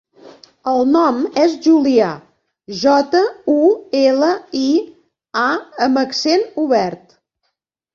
El nom és Julià: jota, u, ela, i, a amb accent obert.